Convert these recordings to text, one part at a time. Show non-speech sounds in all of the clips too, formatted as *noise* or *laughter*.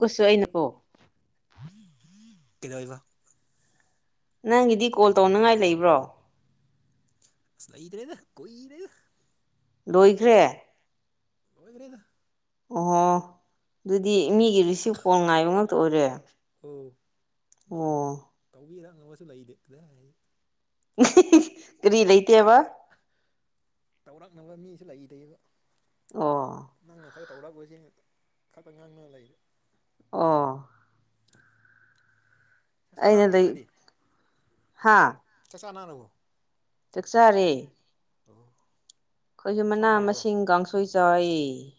ꯀꯁꯨ ꯑꯩꯅꯀꯣ *unintelligible* ꯀꯩꯅꯗꯧꯏꯕ ꯅꯪꯒꯤꯗꯤ ꯀꯣꯜ ꯇꯧꯅꯉꯥꯏ ꯂꯩꯕ꯭ꯔꯣ ꯂꯩꯇꯔꯦꯗ ꯀꯨꯏꯔꯦꯗ ꯂꯣꯏꯈ꯭ꯔꯦ ꯂꯣꯏꯈ꯭ꯔꯦꯗ ꯑꯣꯍꯣ ꯑꯗꯨꯗꯤ ꯃꯤꯒꯤ ꯔꯤꯁꯤꯞ ꯀꯣꯜ ꯉꯥꯏꯕ ꯉꯛꯇ ꯑꯣꯏꯔꯦ ꯃꯤ ꯑꯣ ꯇꯧꯕꯤꯔꯛꯅꯕꯁꯨ ꯂꯩꯗꯦ ꯀꯗꯥꯏꯗꯒꯤ ꯀꯔꯤ ꯂꯩꯇꯦꯕ ꯇꯧꯔꯛꯅꯕ ꯃꯤꯁꯤ ꯂꯩꯇꯦꯕ ꯑꯣ ꯅꯪꯅ ꯈꯔ ꯇꯧꯔꯛꯄꯁꯤ ꯈꯛꯇ ꯉꯥꯡꯅ ꯂꯩꯔꯦ ꯑꯣ *unintelligible* ꯑꯩꯅ ꯆꯥꯛꯆꯥꯅꯔꯕꯣ ꯂꯩ ꯅꯣꯏꯗꯤ ꯆꯤꯛꯆꯥꯅꯔꯕꯣ ꯆꯥꯛꯆꯔꯦ ꯑꯣ ꯑꯩꯈꯣꯏꯁꯨ ꯃꯅꯥ ꯏꯟꯁꯥꯡ ꯍꯥꯎꯕ꯭ꯔꯣ ꯃꯁꯤꯡ ꯀꯥꯡꯁꯣꯏ ꯆꯥꯏꯌꯦ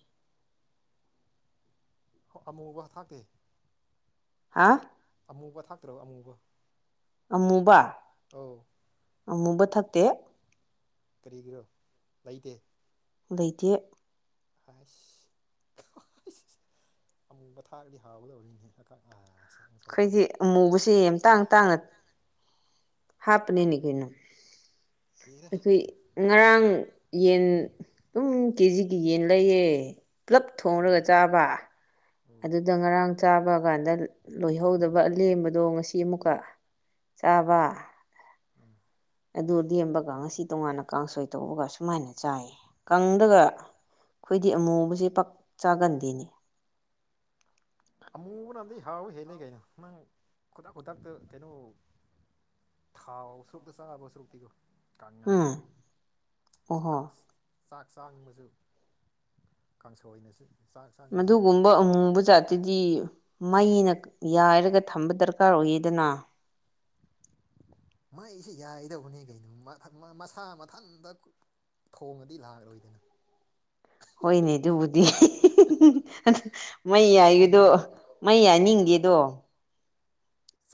ꯑꯃꯨꯕ ꯊꯥꯛꯇꯦ ꯍꯥꯥ ꯑꯃꯨꯕ ꯊꯥꯛꯇ꯭ꯔꯣ ꯑꯃꯨꯕ ꯑꯃꯨꯕ ꯑꯧ ꯑꯃꯨꯕ ꯊꯛꯇꯦ ꯀꯔꯤꯒꯤꯔꯣ ꯂꯩꯇꯦ ꯂꯩꯇꯦ ꯍꯥꯏꯁ ꯑꯃꯨꯕ ꯊꯛꯑꯒꯗꯤ ꯍꯥꯎꯒꯗꯧꯅꯤꯅꯦ ꯑꯩꯈꯣꯏꯗꯤ ꯑꯃꯨꯕꯁꯦ ꯌꯥꯝ ꯇꯥꯡ ꯇꯥꯡꯅ ꯍꯥꯞꯄꯅꯤꯅꯦ ꯀꯩꯅꯣ ꯑꯦꯔꯥ ꯑꯩꯈꯣꯏ ꯉꯔꯥꯡ ꯌꯦꯟ ꯑꯗꯨꯝ ꯀꯦꯖꯤꯒꯤ ꯌꯦꯟ ꯂꯩꯌꯦ ꯄꯨꯂꯞ ꯎꯝ ꯊꯣꯡꯔꯒ ꯆꯥꯕ ꯎꯝ ꯑꯗꯨ ꯑꯗꯨꯗ ꯉꯔꯥꯡ ꯆꯥꯕ ꯀꯥꯟꯗ ꯂꯣꯏꯍꯧꯗꯕ ꯂꯦꯝꯕꯗꯣ ꯉꯁꯤ ꯑꯃꯨꯛꯀ ꯆꯥꯕ ꯎꯝ *inaudible* ꯑꯗꯨ ꯂꯦꯝꯕꯒ ꯉꯁꯤ ꯇꯣꯉꯥꯟꯅ ꯀꯥꯡꯁꯣꯏ ꯇꯧꯕꯒ ꯁꯨꯃꯥꯏꯅ ꯆꯥꯏ ꯀꯥꯡꯗꯒ ꯑꯩꯈꯣꯏꯗꯤ ꯑꯃꯨꯕꯁꯦ ꯄꯥꯛ ꯆꯥꯒꯟꯗꯤꯅꯦ ꯑꯃꯨꯕ ꯅꯟꯗꯤ ꯍꯥꯎꯕ ꯍꯦꯜꯂꯤ ꯀꯩꯅꯣ ꯅꯪ ꯈꯨꯗꯥꯛ ꯈꯨꯗꯇ ꯀꯩꯅꯣ ꯊꯥꯎ ꯁꯔꯨꯛꯇ ꯆꯥꯕ ꯁꯔꯨꯛꯇꯤꯒꯣ ꯎꯝ ꯀꯥꯡꯍꯟꯗꯅ ꯑꯣꯍꯣ ꯆꯥꯛꯁ ꯆꯥꯛ ꯆꯥꯡꯕꯁꯨ ꯀꯥꯡꯁꯣꯏ ꯑꯣꯏꯅꯁꯨ ꯃꯗꯨꯒꯨꯝꯕ ꯑꯃꯨꯕꯖꯥꯠ ꯑꯗꯨꯗꯤ ꯃꯩꯅ ꯌꯥꯏꯔꯒ ꯊꯝꯕ ꯗꯔꯀꯥꯔ ꯑꯣꯏꯌꯦꯗꯅ ꯃꯩꯁꯤ ꯌꯥꯏꯗꯧꯕꯅꯦ ꯀꯩꯅꯣ ꯃꯁꯥ ꯃꯊꯟꯇ ꯊꯣꯡꯉꯗꯤ ꯂꯥꯛꯂꯣꯏꯗꯅ ꯍꯣꯏꯅꯦ ꯑꯗꯨꯕꯨꯗꯤ ꯃꯩ ꯌꯥꯏꯒꯤꯗꯣ ꯀꯗꯥꯏꯗꯒꯤ ꯃꯩ ꯌꯥꯅꯤꯡꯗꯦꯗꯣ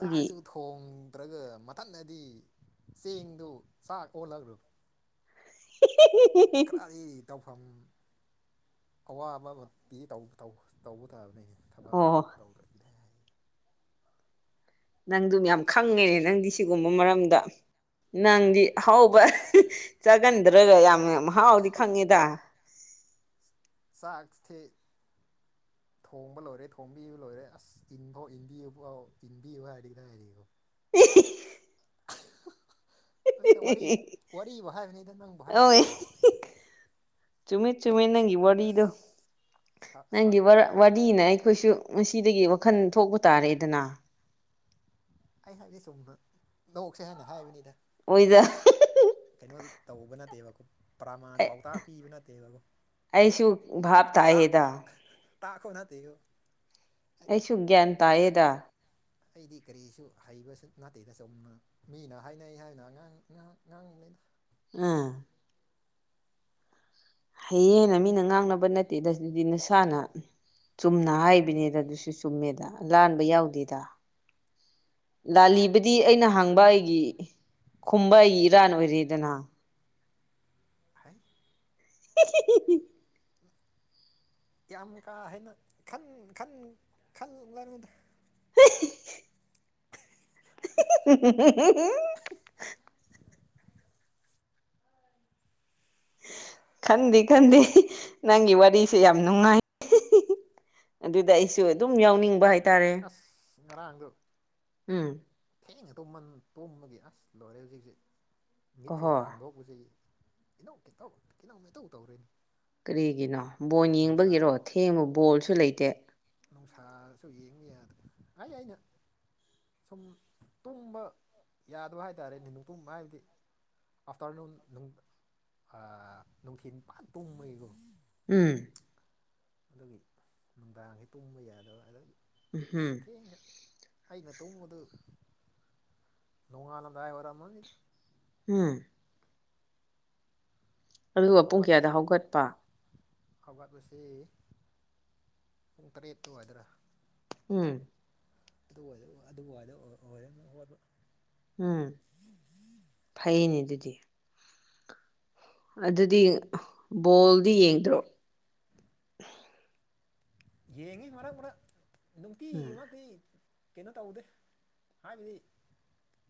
ꯑꯗꯨꯒꯤ ꯊꯣꯡꯗ꯭ꯔꯒ ꯃꯊꯟꯗꯗꯤ ꯆꯦꯡꯗꯨ ꯆꯥꯛ ꯑꯣꯜꯂꯂꯨ ꯀ ꯇꯧꯐꯝ ꯑꯋꯥꯕꯃ ꯄꯤ ꯇꯧꯕ ꯇꯥꯕꯅꯤꯅ ꯊꯕꯛ ꯑꯣ ꯇꯧꯗ꯭ꯔꯗꯤꯅꯦ ꯍꯥꯏ ꯅꯪꯗꯨꯝ ꯌꯥꯝ ꯈꯪꯉꯦꯅꯦ ꯅꯪꯗꯤ ꯁꯤꯒꯨꯝꯕ ꯃꯔꯝꯗ ꯅꯪꯗꯤ ꯑꯍꯥꯎꯕ ꯆꯥꯒꯟꯗ꯭ꯔꯒ ꯌꯥꯝ ꯃꯍꯥꯎꯗꯤ ꯈꯪꯉꯦꯗ ꯁꯥꯥꯛ ꯊꯦ ꯑ ꯊꯣꯡꯕ ꯂꯣꯏꯔꯦ ꯊꯣꯡꯕꯤꯕꯨ ꯂꯣꯏꯔꯦ ꯑꯁ ꯏꯟꯐꯥꯎ ꯏꯟꯕꯤꯌꯨꯥꯎ ꯏꯟꯕꯤꯌꯨ ꯍꯥꯏꯔꯗꯤ ꯍꯥꯏꯔꯤꯀꯣ ꯑꯦ ꯅꯇ ꯋꯥꯔꯤ ꯋꯥꯨ ꯍꯥꯏꯕꯅꯤꯗ ꯅꯪꯕꯨ ꯍꯥꯏꯕ ꯅꯠꯇꯦꯗ ꯆꯨꯝꯃꯤꯠ ꯆꯨꯝꯃꯤꯠ ꯅꯪꯒꯤ ꯋꯥꯔꯤꯗꯣ ꯑꯁ ꯁꯥ ꯅꯪꯒꯤ ꯋꯥꯔꯤꯅ ꯑꯩꯈꯣꯏꯁꯨ ꯉꯁꯤꯗꯒꯤ ꯋꯥꯈꯜ ꯊꯣꯛꯄ ꯇꯥꯔꯦꯗꯅ ꯑꯩ ꯍꯥꯏꯕꯗꯤ ꯁꯨꯝ ꯂꯧꯣꯛꯁꯦ ꯍꯥꯏꯥꯟꯅ ꯍꯥꯏꯕꯅꯤꯗ ꯑꯣꯏꯗ ꯀꯩꯅꯣ ꯇꯧꯕ ꯅꯠꯇꯦꯕꯀꯣ ꯄ꯭ꯔꯃꯥꯟ ꯄꯥꯎꯇꯥꯛ ꯄꯤꯕ ꯅꯠꯇꯦꯕꯕꯨꯣ ꯑꯩꯁꯨ ꯚꯥꯞ ꯇꯥꯏꯌꯦꯗ ꯇꯥꯈꯣ ꯅꯗꯤꯌꯣ ꯑꯩꯁꯨ ꯒ꯭ꯌꯥꯟ ꯇꯥꯏꯑꯦꯗ ꯑꯩꯗꯤ ꯀꯔꯤꯁꯨ ꯍꯩꯕꯁꯨ ꯅꯥꯇꯩꯗ ꯆꯅ ꯃꯤꯅ ꯍꯥꯏꯅꯩ ꯍꯥꯏꯗꯨꯅ ꯑꯉꯥꯡꯥꯡ ꯑꯉꯥꯡꯕꯅꯤꯅ ꯑꯥ ꯍꯌꯦꯦꯟꯅ ꯃꯤꯅ ꯉꯥꯡꯅꯕ ꯅꯠꯇꯦꯗ ꯑꯗꯨꯗꯤ ꯅꯁꯥꯅ ꯆꯨꯝꯅ ꯍꯥꯏꯕꯅꯤꯗ ꯑꯗꯨꯁꯨ ꯆꯨꯝꯃꯦꯗ ꯂꯥꯟꯕ ꯌꯥꯎꯗꯦꯗ ꯂꯥꯂꯤꯕꯗꯤ ꯑꯩꯅ ꯍꯥꯡꯕ ꯑꯩꯒꯤ ꯀꯨꯝꯕ ꯏꯔꯥꯟ ꯑꯣꯏꯔꯤꯗꯅ ꯍꯥꯏ ꯍꯥ ꯌꯥꯝ ꯀꯥꯍꯦꯟꯅ ꯈꯗ ꯍ ꯑꯗꯥ ꯈꯟꯗꯤꯦ ꯈꯟꯗꯤꯦ ꯅꯪꯒꯤ ꯋꯥꯔꯤꯁꯦ ꯌꯥꯝ ꯅꯨꯡꯉꯥꯏ ꯑꯗꯨꯗ ꯑꯩꯁꯨ ꯑꯗꯨꯝ ꯌꯥꯎꯅꯤꯡꯕ ꯍꯥꯏꯇꯥꯦ ꯑꯁ ꯔꯥꯡꯒ ꯎꯝ ꯊꯦꯡꯅ ꯇꯣ ꯇꯨꯝꯃꯒꯤ ꯑꯁ ꯂꯣꯏꯔꯦ ꯍꯧꯖꯤꯛꯁꯦ ꯃꯤꯠꯁꯦ ꯑꯣꯍꯣ ꯍꯥꯡꯗꯣꯛ ꯍꯧꯖꯤꯛ ꯀꯤꯍꯧ ꯈꯤꯇꯧ ꯤꯍꯧ ꯇꯧ ꯇꯧꯔꯣꯏꯅꯤ ꯀꯔꯤꯒꯤꯅꯣ ꯕꯣꯜ ꯌꯦꯡꯕꯒꯤꯔꯣ ꯊꯦꯡꯕ ꯕꯣꯜꯁꯨ ꯂꯩꯇꯦ ꯅꯨꯡꯁꯥꯁꯨ ꯌꯦꯡꯉꯗ ꯑꯩ ꯑꯩꯅ ꯁꯨꯝ ꯇꯨꯝꯕ ꯌꯥꯗꯕ ꯍꯥꯏꯇꯥꯔꯦ ꯅꯤꯅꯨꯡꯨ ꯇꯨꯝꯕ ꯍꯥꯏꯕꯗꯤ ꯑꯥꯐꯇꯔꯅꯨꯟ ꯅꯨꯡꯊꯤꯜ ꯅꯤꯄꯥꯥꯟ ꯄꯨꯡꯕꯩꯒꯨꯝ ꯎꯝ ꯑꯗꯨꯒꯤ ꯅꯨꯡꯗꯥꯡꯁ ꯇꯣꯡꯕ ꯌꯥꯗꯕ ꯑꯗꯨꯗꯒꯤ ꯑꯁ ꯎꯝꯍꯝ ꯊꯦꯡꯈ ꯑꯩꯅ ꯇꯧꯕ ꯃꯗꯨ ꯅꯣꯡꯉ ꯍꯜꯂꯗꯑꯕꯔ ꯑꯃ ꯃꯅꯤꯗ ꯎꯝ ꯑꯗꯨꯒ ꯄꯨꯡ ꯀꯌꯥꯗ ꯍꯧꯒꯠꯄ ꯍꯧꯒꯠꯂꯁꯤ ꯄꯨꯡ ꯇꯔꯦꯠꯇꯨ ꯍꯥꯏꯗ꯭ꯔꯥ ꯎꯝ ꯑꯗꯨ ꯑꯗꯨꯕꯨꯗ ꯑꯣꯏꯔ ꯍꯣꯠ ꯎꯝ ꯐꯩꯅꯦ ꯑꯗꯨꯗꯤ ꯑꯗꯨꯗꯤ ꯕꯣꯜꯗꯤ ꯌꯦꯡꯗ꯭ꯔꯣ ꯌꯦꯡꯉꯤ ꯃꯔꯦ ꯃꯔꯔꯥ ꯅꯨꯡꯇꯤ ꯎꯝ ꯃꯥ ꯀ ꯀꯩꯅꯣ ꯇꯧꯗꯦ ꯍꯥꯏꯕꯗꯤ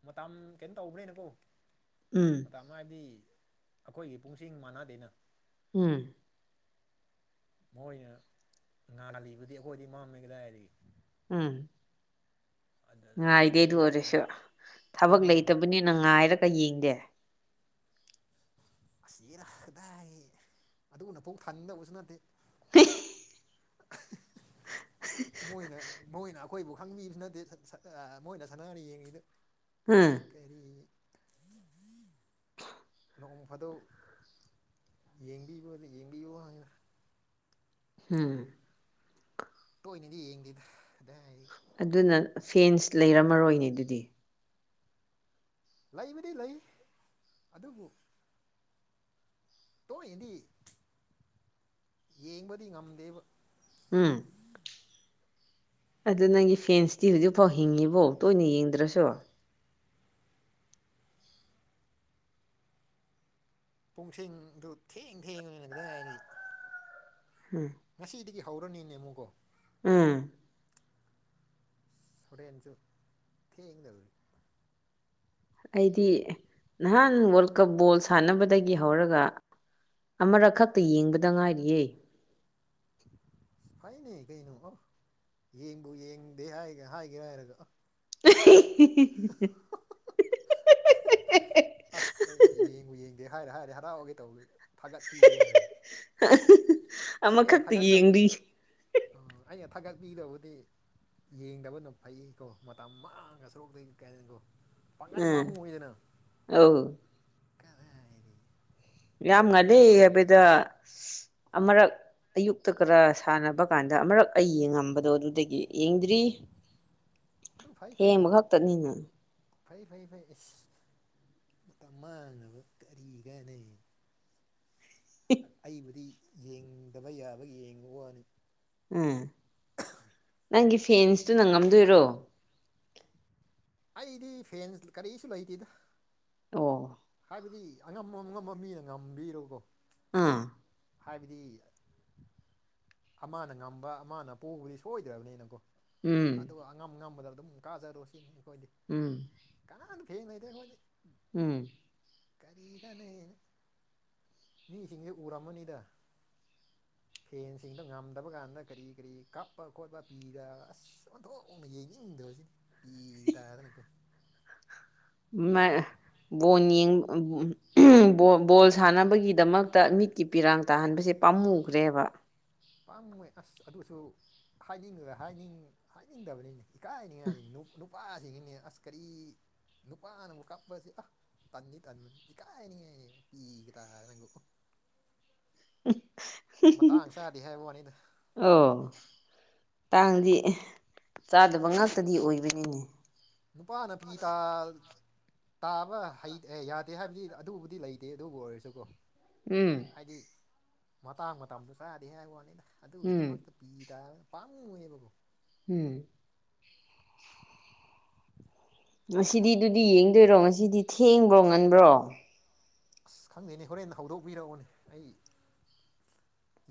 ꯃꯇꯝ ꯀꯩꯅꯣ ꯇꯧꯕ꯭ꯔꯦꯅꯀꯣ ꯎꯝ ꯃꯇꯝ ꯑꯃ ꯍꯥꯏꯕꯗꯤ ꯑꯩꯈꯣꯏꯒꯤ ꯄꯨꯡꯁꯤꯡ ꯃꯥꯟꯅꯗꯩꯅ ꯎꯝ ꯃꯣꯏꯅ ꯉꯥꯍꯜꯂꯤꯕꯗꯤ ꯑꯩꯈꯣꯏꯗꯤ ꯃꯝꯃꯦ ꯀꯗꯗꯥꯏ ꯍꯥꯏꯔꯗꯤ ꯎꯝ ꯑꯗꯨꯗ ꯉꯥꯏꯗꯦ ꯑꯗꯨ ꯇꯨꯝ ꯑꯣꯏꯔꯁꯨ ꯇꯨꯝ ꯊꯕꯛ ꯂꯩꯇꯕꯅꯤꯅ ꯉꯥꯏꯔꯒ ꯌꯦꯡꯗꯦ ꯑꯁꯤꯔ ꯀꯗꯥꯏ ꯑꯗꯨꯒꯅ ꯄꯣꯡ ꯐꯪꯅꯤꯡꯗꯕꯁꯨ ꯅꯠꯇꯦ ꯍ ꯃꯣꯏꯅ ꯃꯣꯏꯅ ꯑꯩꯈꯣꯏꯕꯨ ꯈꯪꯕꯤꯕꯁꯨ ꯅꯠꯇꯦ ꯃꯣꯏꯅ ꯁꯥꯟꯅꯅ ꯌꯦꯡꯉꯤꯗ ꯎꯝ ꯀꯔꯤ ꯅꯣꯡ ꯐꯥꯗꯣꯛ ꯌꯦꯡꯕꯤꯌ ꯌꯦꯡꯕꯤꯌꯨ ꯍꯥꯏꯅ ꯍꯝ ꯇꯣꯏꯅꯗꯤ ꯌꯦꯡꯗꯦꯗ ꯀꯗꯥꯏ ꯑꯗꯨꯅ ꯐꯦꯟꯁ ꯂꯩꯔꯝꯃꯔꯣꯏꯅꯦ ꯑꯗꯨꯗꯤ ꯂꯩꯕꯗꯤ ꯂꯩ ꯑꯗꯨꯕꯨ ꯇꯣꯏꯗꯤ ꯌꯦꯡꯕꯗꯤ ꯉꯝꯗꯦꯕ ꯎꯝ ꯑꯗꯨꯗ ꯅꯪꯒꯤ ꯐꯦꯟꯁꯇꯤ ꯍꯧꯖꯤꯛꯐꯥꯎ ꯍꯤꯡꯉꯤꯕꯣ ꯇꯣꯏꯅ ꯌꯦꯡꯗ꯭ꯔꯁꯨ ꯄꯨꯡꯁꯤꯡꯗꯨ ꯊꯦꯡ ꯊꯦꯡ ꯑꯣꯏꯅ ꯀꯗꯥ ꯍꯥꯏꯔꯤ ꯎꯝ ꯉꯁꯤꯗꯒꯤ ꯍꯧꯔꯅꯤ ꯅꯃꯨꯒꯣ ꯎꯝ ꯁꯣꯔꯦꯟꯁꯨ ꯊꯦꯡꯗꯔꯤ ꯑꯩꯗꯤ ꯅꯍꯥꯟ ꯋꯥꯔꯜ ꯀꯞ ꯕꯣꯜ ꯁꯥꯟꯅꯕꯗꯒꯤ ꯍꯧꯔꯒ ꯑꯃꯔꯛ ꯈꯛꯇ ꯌꯦꯡꯕꯗ ꯉꯥꯏꯔꯤꯌꯦ ꯍꯥꯏꯥꯏ ꯅ ꯀꯩꯅ ꯑ ꯌꯦꯡꯕꯨ ꯌꯦꯡꯗꯦ ꯍꯥꯏꯒ ꯍꯥꯏꯒꯦ ꯍꯥꯏꯔꯒ *unintelligible* *unintelligible* ꯑꯁ ꯑꯩ ꯌꯦꯡꯉꯨ ꯌꯦꯡꯗꯦ ꯍꯥꯏꯔꯦ ꯍꯥꯏꯔꯦ ꯍꯔꯥꯎꯑꯣꯒꯩ ꯇꯧ ꯊꯥꯒꯠꯄꯤꯒꯦꯅ *unintelligible* ꯑꯩꯅ ꯊꯥꯒꯛꯇꯕꯨ ꯌꯦꯡꯔꯤ ꯑꯣ ꯑꯩꯅ ꯊꯥꯒꯠꯄꯤꯗꯕꯨꯗꯤ ꯌꯦꯡꯗꯕꯅ ꯐꯩꯀꯣ ꯃꯇꯝ ꯃꯥꯡꯉ ꯁꯣꯔꯣꯛꯇꯣꯏꯅꯤ ꯀꯥꯏꯅꯤꯀꯣ ꯄꯥꯡꯒꯟ ꯑꯥ ꯄꯥꯝꯃꯨꯉꯗꯅ ꯑꯧ ꯀ ꯍꯥꯏꯔꯤ ꯌꯥꯝ ꯉꯜꯂꯤ ꯍꯥꯏꯕꯗ ꯑꯃꯨꯔꯛ ꯑꯌꯨꯛꯇ ꯈꯔ ꯁꯥꯟꯅꯕ ꯀꯥꯟꯗ ꯑꯃꯨꯔꯛ ꯑꯩ ꯌꯦꯡꯉ ꯊꯝꯕꯗꯣ ꯎꯝ ꯑꯗꯨꯗꯒꯤ ꯌꯦꯡꯗ꯭ꯔꯤ ꯑꯗꯨ ꯐꯩ ꯐꯩ ꯊꯦꯡꯕ ꯈꯛꯇꯅꯤꯅ ꯐꯩ ꯐꯩ ꯐꯩ ꯑꯦꯁ ꯃꯇꯝ ꯃꯥꯡꯅꯕ ꯀꯔꯤꯒꯅꯤ ꯑꯩꯕꯨꯗꯤ ꯌꯦꯡꯗꯕ ꯌꯥꯕ ꯌꯦꯡꯉꯨ ꯋꯥꯅꯤ ꯎꯝ ꯅꯪꯒꯤ ꯁꯦꯟꯁꯇꯨꯅ ꯉꯝꯗꯨꯏꯔꯣ ꯑꯩꯗꯤ ꯐꯦꯟ ꯀꯔꯤꯁꯨ ꯂꯩꯇꯦꯗ ꯑꯣ ꯍꯥꯏꯕꯗꯤ ꯑꯉꯝꯕ ꯑꯉꯝꯕ ꯃꯤꯅ ꯉꯝꯕꯤꯔꯨꯀꯣ ꯎꯝ ꯍꯥꯏꯕꯗꯤ ꯑꯃꯅ ꯉꯝꯕ ꯑꯃꯅ ꯄꯨꯕꯨꯗꯤ ꯁꯣꯏꯗ꯭ꯔꯕꯅꯤꯅꯀꯣ ꯎꯝ ꯑꯗꯨꯒ ꯑꯉꯝ ꯑꯉꯝꯕꯗ ꯑꯗꯨꯝ ꯀꯥꯖꯔꯨ ꯁꯤꯅꯤ ꯑꯩꯈꯣꯏꯗꯤ ꯎꯝ ꯀꯅꯥꯝ ꯐꯦꯟ ꯂꯩꯇꯦ ꯑꯈꯣꯏꯗꯤ ꯎꯝ ꯀꯔꯤ ꯀꯥꯟꯅꯩꯅ ꯃꯤ ꯁꯤꯡꯁꯦ ꯎꯔꯝꯃ ꯅꯤꯗ ꯐꯦꯟꯁ ꯁꯤꯡꯗꯣ ꯉꯝꯗꯕ ꯀꯥꯟꯗ ꯀꯔꯤ ꯀꯔꯤ ꯀꯥꯞꯄ ꯈꯣꯠꯄ ꯄꯤꯔ ꯑꯁ ꯑꯣꯟꯊꯣꯛꯅ ꯌꯦꯡꯅꯤꯡꯗꯕꯁꯤꯗꯤ ꯄꯤꯒ ꯇꯗꯅꯀꯣ *inaudible* ꯑꯍꯝ ꯕꯣꯜ ꯕꯣꯜ ꯁꯥꯟꯅꯕꯒꯤꯗꯃꯛꯇ ꯃꯤꯠꯀꯤ ꯄꯤꯔꯥꯡ ꯇꯥꯍꯟꯕꯁꯦ ꯄꯥꯝꯃꯨꯈ꯭ꯔꯦꯕ ꯄꯪꯕꯒꯤ ꯑꯁ ꯑꯗꯨꯁꯨ ꯍꯥꯏꯅꯤꯡꯒ ꯍꯥꯢꯅꯤꯡ ꯍꯥꯏꯅꯤꯡꯗꯕꯅꯤꯅꯦ ꯏꯀꯥꯏꯅꯤꯡꯉꯥꯏ ꯅꯨꯄꯥꯁꯤꯒꯤꯅꯦ ꯑꯁ ꯀꯔꯤ ꯅꯨꯄꯥꯅ ꯑꯃꯨꯛ ꯀꯥꯞꯄꯁꯦ ꯑ ꯇꯟꯗꯤ ꯇꯟꯕꯅꯤ ꯏꯀꯥꯏꯅꯤꯉꯥꯏꯅꯦ ꯄꯤꯒ ꯇꯥꯔꯒ ꯀꯣ ꯎ ꯃꯇꯥꯡ ꯆꯥꯗꯦ ꯍꯥꯏꯕ ꯋꯥꯅꯤꯗ ꯑꯣ ꯇꯥꯡꯗꯤ ꯆꯥꯗꯕ ꯍꯥꯏꯕꯗꯤ ꯉꯥꯛꯇꯗꯤ ꯑꯣꯏꯕꯅꯤꯅꯦ ꯅꯨꯄꯥꯅ ꯄꯇꯥ ꯇꯥꯕ ꯍꯩ ꯑꯦ ꯌꯥꯗꯦ ꯍꯥꯏꯕꯗꯤ ꯑꯗꯨꯕꯨꯗꯤ ꯂꯩꯇꯦ ꯑꯗꯨꯕꯨ ꯑꯣꯏꯔꯁꯨꯀꯣ ꯎꯝ ꯍꯥꯏꯗꯤ ꯃꯇꯥꯡ ꯃꯇꯝꯗ ꯆꯥꯗꯦ ꯍꯥꯏꯕ ꯋꯥꯅꯤꯗ ꯎꯝ ꯑꯗꯨꯒꯤꯗꯃꯛꯇ ꯄꯤꯗ ꯄꯪꯕꯒꯤꯅꯤꯀꯣ ꯎꯝ ꯉꯁꯤꯗꯤ ꯗꯨꯗꯤ ꯌꯦꯡꯗꯣꯏꯔꯣ ꯉꯁꯤꯗꯤ ꯊꯦꯡꯕ꯭ꯔꯣ ꯉꯟꯕ꯭ꯔꯣ ꯑꯁ ꯈꯪꯗꯦꯅꯦ ꯍꯣꯔꯦꯟ ꯍꯧꯗꯣꯛꯄꯤꯔꯛꯑꯣꯅꯦ ꯑꯩ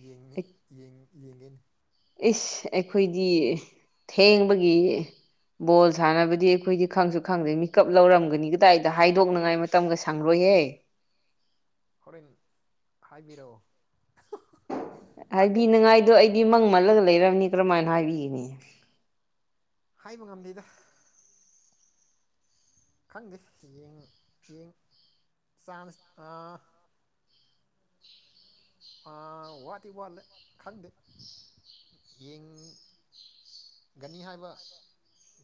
ꯌꯦꯡꯅꯤ ꯌꯦꯡ ꯌꯦꯡꯒꯅꯤ ꯏꯁ ꯑꯩꯈꯣꯏꯗꯤ ꯊꯦꯡꯕꯒꯤ ꯕꯣꯜ ꯁꯥꯟꯅꯕꯗꯤ ꯑꯩꯈꯣꯏꯗꯤ ꯈꯪꯁꯨ ꯈꯪꯗꯦ ꯃꯤꯀꯞ ꯂꯧꯔꯝꯒꯅꯤ ꯀꯗꯥꯏꯗ ꯍꯥꯏꯗꯣꯛꯅꯉꯥꯏ ꯃꯇꯝꯒ ꯁꯪꯔꯣꯏꯍꯦ ꯍꯣꯔꯦꯟ ꯍꯥꯏꯕꯤꯔꯛꯑꯣ ꯈꯪꯗꯦ ꯍꯥꯏꯕꯤꯅꯤꯉꯥꯏꯗꯣ ꯑꯩꯗꯤ ꯃꯪ ꯃꯜꯂꯒ ꯂꯩꯔꯕꯝꯅꯤ ꯀꯔꯝꯃꯥꯏꯅ ꯍꯥꯏꯕꯤꯒꯅꯤ ꯍꯥꯏꯕ ꯉꯝꯗꯦꯗ ꯈꯪꯗꯦ ꯌꯦꯡ ꯌꯦꯡ ꯆꯥꯟꯁ ꯑꯥ ꯑꯥ ꯋꯥꯗꯤ ꯋꯥꯠꯂꯦ ꯈꯪꯗꯦ ꯌꯦꯡ ꯒꯅꯤ ꯍꯥꯏꯕ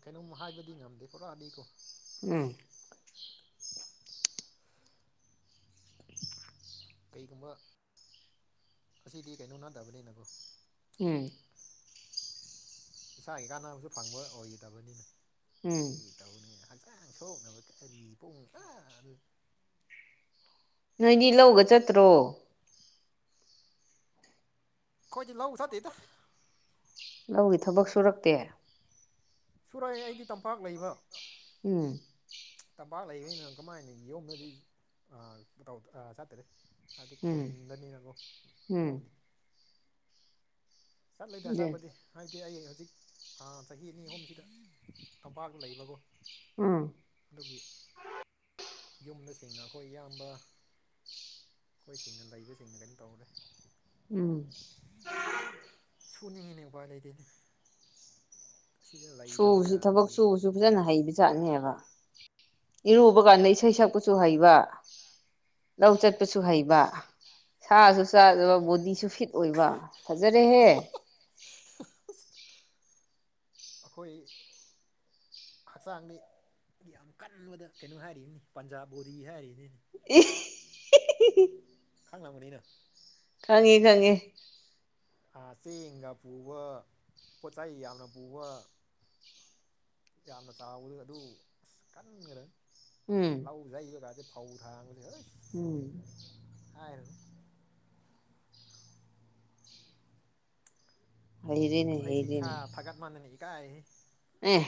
ꯀꯩꯅꯣꯝ ꯍꯥꯏꯕꯗꯤ ꯉꯝꯗꯦ ꯄꯨꯔꯑꯗꯤꯀꯣ ꯎꯝ ꯀꯩꯒꯨꯝꯕ ꯉꯁꯤꯗꯤ ꯀꯩꯅꯣ ꯅꯠꯗꯕꯅꯤꯅꯀꯣ ꯎꯝ ꯏꯁꯥꯒꯤ ꯀꯥꯟꯅꯕꯁꯨ ꯐꯪꯕ ꯑꯣꯏꯗꯕꯅꯤꯅ ꯎꯝ ꯀꯔꯤ ꯇꯧꯅꯤ ꯍꯛꯆꯥꯡ ꯁꯣꯛꯅꯕ ꯀꯔꯤ ꯄꯨꯡ ꯑ ꯅꯣꯏꯗꯤ ꯂꯧꯒ ꯆꯠꯇ꯭ꯔꯣ ꯑꯈꯣꯏꯗꯤ ꯂꯧꯎ ꯆꯠꯇꯦꯗ ꯂꯧꯒꯤ ꯊꯕꯛ ꯁꯨꯔꯛꯇꯦ ꯁꯨꯔꯛꯑꯦ ꯑꯩꯗꯤ ꯇꯝꯄꯥꯛ ꯂꯩꯕ ꯎꯝ ꯇꯝꯄꯥꯛ ꯂꯩꯅꯣ ꯀꯃꯥꯏꯅ ꯌꯣꯗꯗꯤ ꯆꯠꯇꯗꯦ ꯍꯥꯏꯗꯤ ꯎꯝ ꯈꯣꯟꯟꯗꯅꯤꯅꯀꯣ ꯎꯝ ꯂꯧꯅꯤ ꯆꯠꯂꯤꯗ ꯆꯠꯄꯗꯤ ꯍꯥꯏꯕꯗꯤ ꯑꯩ ꯍꯧꯖꯤꯛ ꯊꯥ ꯆꯍꯤ ꯑꯅꯤ ꯑꯍꯨꯝꯁꯤꯗ ꯇꯝꯄꯥꯛꯇ ꯂꯩꯕꯀꯣ ꯎꯝ ꯑꯗꯨꯒꯤ ꯌꯨꯝꯗ ꯁꯦꯡꯅ ꯑꯩꯈꯣꯏ ꯏꯌꯥꯝꯕ ꯑꯩꯈꯣꯏꯁꯤꯡꯅ ꯂꯩꯕꯁꯤꯡꯅ ꯀꯩꯅ ꯇꯧꯔꯦ ꯎꯝ ꯁꯨꯅꯤꯡꯉꯤꯅꯦ ꯎꯄꯥꯏ ꯂꯩꯇꯦꯅꯦ ꯑꯁꯤꯗ ꯂꯩꯇꯕ ꯁꯨꯕꯁꯤ ꯊꯕꯛ ꯌꯥꯗꯕꯒꯤꯀꯣ ꯁꯨꯕꯁꯨ ꯐꯖꯅ ꯍꯩꯕ ꯆꯥꯛꯅꯦꯕ ꯏꯔꯨꯕ ꯀꯥꯟꯗ ꯏꯁꯩ ꯁꯛꯄꯁꯨ ꯍꯩꯕ ꯂꯧ ꯆꯠ ꯄꯁꯨ ꯍꯩꯕ ꯁꯥꯁꯨ ꯆꯥꯗꯕ ꯕꯣꯗꯤꯁꯨ ꯐꯤꯠ ꯑꯣꯏꯕ ꯐꯖꯔꯦꯍꯦ ꯑꯩꯈꯣꯏ ꯍꯛꯆꯥꯡꯗꯤ ꯌꯥꯝ ꯀꯟꯕꯗ ꯀꯩꯅꯣ ꯍꯥꯏꯔꯤꯅꯤ ꯄꯟꯖꯥꯕ ꯕꯣꯗꯤ ꯍꯥꯏꯔꯤꯅꯤꯅꯤ ꯑꯦ ꯈꯪꯅ ꯃꯅꯨꯡꯨꯅ ꯈꯪꯉꯦ ꯈꯪꯉꯦ ꯆꯦꯡꯒ ꯄꯨꯕ ꯄꯣꯠꯆ ꯆꯩ ꯌꯥꯝꯅ ꯄꯨꯕ ꯌꯥꯝꯅ ꯆꯥꯎꯕꯗ ꯑꯗꯨ ꯑꯁ ꯀꯟꯈ꯭ꯔꯦ ꯎꯝ ꯂꯧꯖꯩꯕꯒꯥꯁꯦ ꯐꯥꯎ ꯊꯥꯡ꯭ꯔꯦ ꯍꯣꯏ ꯎꯝ ꯍꯥꯏꯣ ꯍꯩꯔꯦꯅꯦ ꯑꯁ ꯑꯩꯁꯤ ꯏꯁꯥ ꯍꯩꯔꯦꯅꯦ ꯊꯥꯒꯠ ꯃꯥꯟꯗꯅꯤ ꯏꯀꯥꯏ ꯑꯦ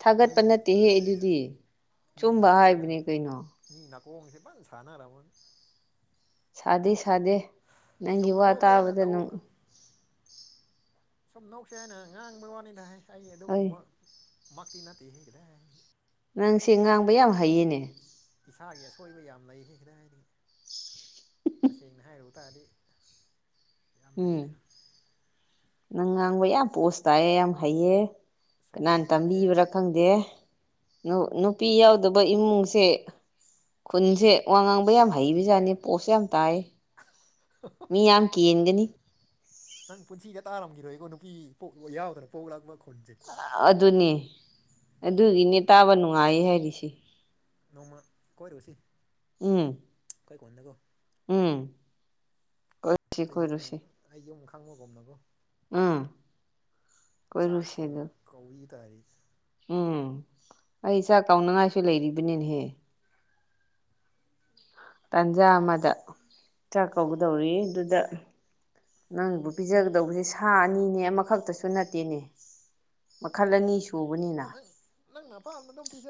ꯊꯥꯒꯠꯄ ꯅꯠꯇꯦꯍꯦ ꯑꯩ ꯑꯗꯨꯗꯤ ꯃꯤ ꯆꯨꯝꯕ ꯍꯥꯏꯕꯅꯦ ꯅꯥꯀꯣꯡ ꯀꯩꯅꯣ ꯃꯤ ꯅꯥꯀ ꯍꯡꯁꯦ ꯄꯝꯅ ꯁꯥꯟꯅꯔꯥꯃꯟ ꯁꯥꯗꯦ ꯁꯥꯗꯦ ꯅꯪꯒꯤ ꯁꯝꯅ ꯋꯥ ꯅꯁꯤ ꯌꯥꯏ ꯅ ꯇꯥꯕꯗ ꯇꯧ ꯅꯨꯡ ꯁꯨꯝ ꯅꯣꯛꯁꯦ ꯍꯥꯏꯅ ꯉꯥꯡꯕꯩ ꯋꯥꯅꯤꯗ ꯍꯥꯏ ꯑꯩ ꯍꯣꯏ ꯑꯗꯨꯒꯨꯝꯕ ꯃꯛꯇ ꯅꯠꯇꯦꯍꯦ ꯀꯗꯥꯏꯗꯒꯤ ꯅꯪꯁꯦ ꯉꯥꯡꯕ ꯌꯥꯝ ꯍꯩꯌꯦꯅꯦ ꯏꯁꯥꯒꯤ ꯑꯁꯣꯏꯕ ꯌꯥꯝ ꯂꯩꯍꯦ ꯀꯗꯥꯏꯗꯩ ꯇꯁꯦꯡꯅ ꯍꯥꯏꯔꯨꯕ ꯇꯥꯔꯗꯤ ꯌꯥꯝ ꯎꯝ ꯂꯩꯗ ꯅꯪ ꯉꯥꯡꯕ ꯌꯥꯝ ꯄꯣꯁ ꯇꯥꯏꯌꯦ ꯌꯥꯝ ꯍꯩꯌꯦ ꯁꯣꯝꯅ ꯀꯅꯥꯅ ꯅꯣꯛꯁꯦ ꯍꯥꯏꯅ ꯇꯝꯕꯤꯕ꯭ꯔꯥ ꯈꯪꯗꯦ ꯅꯨ ꯅꯨꯄꯤ ꯌꯥꯎꯗꯕ ꯏꯃꯨꯡꯁꯦ ꯈꯨꯟꯁꯦ ꯋꯥ ꯉꯥꯡꯕ ꯌꯥꯝ ꯍꯩꯕꯖꯥꯠꯅꯤ ꯄꯣꯠꯁꯨ ꯌꯥꯝ ꯇꯥꯏ ꯃꯤ ꯌꯥꯝ ꯀꯦꯟꯒꯅꯤ ꯅꯪ ꯄꯨꯟꯁꯤꯗ ꯇꯥꯔꯝꯈꯤꯔꯣꯏꯀꯣ ꯅꯨꯄꯤꯄꯣꯛ ꯌꯥꯎꯗꯅ ꯄꯣꯛꯂꯛꯄ ꯈꯨꯟꯁꯦ ꯑꯗꯨꯅꯤ ꯑꯗꯨꯒꯤꯅꯦ ꯇꯥꯕ ꯅꯨꯡꯉꯥꯏ ꯍꯥꯏꯔꯤꯁꯦ ꯅꯣꯡꯃ ꯀꯣꯏꯔꯨꯁꯤ ꯎꯝ ꯈꯣꯏ ꯈꯨꯟꯅꯗꯣ ꯎꯝ ꯀꯣꯏꯔꯨꯁꯤ ꯑꯩ ꯌꯨꯝ ꯀꯣꯏꯔꯨꯁꯤ ꯑꯩ ꯌꯨꯝ ꯈꯪꯕꯒꯨꯝꯅꯕꯣ ꯎꯝ ꯆꯥꯛ ꯀꯣꯏꯔꯨꯁꯤ ꯀꯧ ꯑꯗꯨ ꯀꯧꯏ ꯇꯥꯔꯤ ꯎꯝ ꯑꯩ ꯆꯥꯛ ꯀꯥꯎꯅꯉꯥꯏꯁꯨ ꯂꯩꯔꯤꯕꯅꯤꯅꯦꯍꯦ ꯇꯥꯟꯖꯥ ꯑꯩ ꯑꯃꯗ ꯆꯥꯛ ꯀꯧꯒꯗꯧꯔꯤ ꯑꯗꯨꯗ ꯅꯪꯕꯨ ꯄꯤꯖꯒꯗꯧꯕꯁꯦ ꯁꯥ ꯑꯅꯤꯅꯦ ꯑꯃꯈꯛꯇꯁꯨ ꯅꯠꯇꯦꯅꯦ ꯃꯈꯜ ꯑꯅꯤ ꯁꯨꯕꯅꯤꯅ ꯅꯪ ꯑꯄꯥꯝꯕꯗꯨꯝ ꯄꯤꯖꯥ